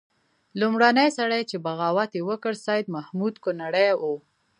لومړنی سړی چې بغاوت یې وکړ سید محمود کنړی وو.